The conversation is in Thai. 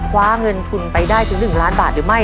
คว้าเงินทุนไปได้ถึง๑ล้านบาทหรือไม่